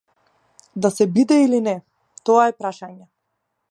Да се биде или не, тоа е прашање.